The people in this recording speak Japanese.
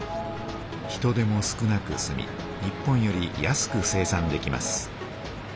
人手も少なくすみ日本より安く生産できます。